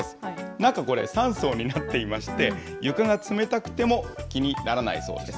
中、これ、３層になっていまして、床が冷たくても気にならないそうです。